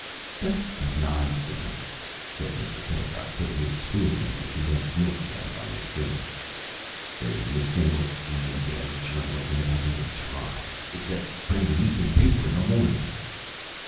"That's nonsense," said Mr. Pedagog, putting his spoon into the condensed milk can by mistake. "There isn't a single scheme in daily journalism that hasn't been tried except printing an evening paper in the morning."